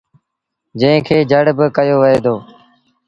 جݩهݩ کي جڙ با ڪهيو وهي دو۔